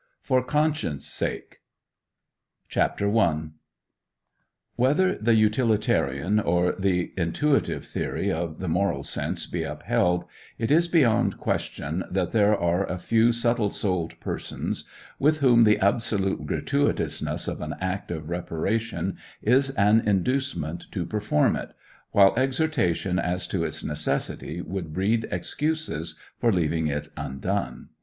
FOR CONSCIENCE' SAKE CHAPTER I Whether the utilitarian or the intuitive theory of the moral sense be upheld, it is beyond question that there are a few subtle souled persons with whom the absolute gratuitousness of an act of reparation is an inducement to perform it; while exhortation as to its necessity would breed excuses for leaving it undone.